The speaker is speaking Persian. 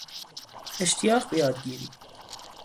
اشتیاق به یادگیری